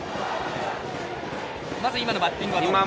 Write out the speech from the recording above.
今のバッティングはどうですか？